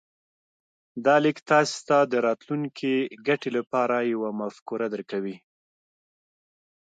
دا ليک تاسې ته د راتلونکې ګټې لپاره يوه مفکوره درکوي.